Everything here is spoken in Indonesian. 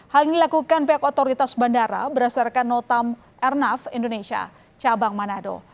hal ini dilakukan pihak otoritas bandara berdasarkan notam airnav indonesia cabang manado